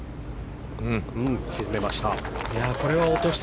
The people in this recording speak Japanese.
沈めました。